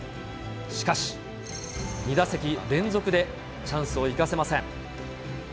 しかし、２打席連続でチャンスを生かせません。